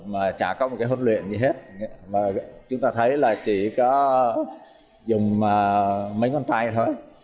mà chả có một cái huấn luyện gì hết mà chúng ta thấy là chỉ có dùng mấy ngón tay thôi